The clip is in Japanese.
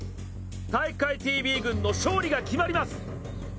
体育会ＴＶ軍の勝利が決まります。